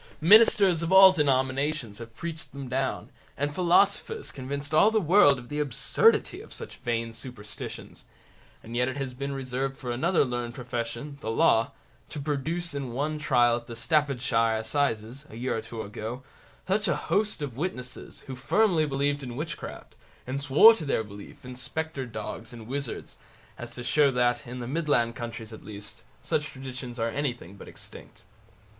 Ministers of all denominations have preached them down, and philosophers convinced all the world of the absurdity of such vain superstitions; and yet it has been reserved for another learned profession, the Law, to produce in one trial at the Staffordshire assizes, a year or two ago, such a host of witnesses, who firmly believed in witchcraft, and swore to their belief in spectre dogs and wizards, as to show that, in the Midland counties at least, such traditions are anything but extinct.